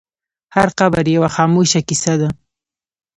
هر قبر یوه خاموشه کیسه ده.